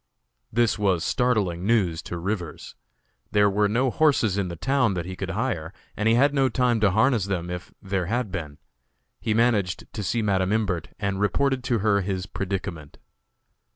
This was startling news to Rivers. There were no horses in the town that he could hire, and he had no time to harness them if there had been. He managed to see Madam Imbert, and reported to her his predicament.